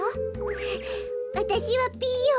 ふうわたしはピーヨン。